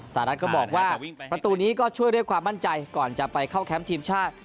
รัฐก็บอกว่าประตูนี้ก็ช่วยด้วยความมั่นใจก่อนจะไปเข้าแคมป์ทีมชาติ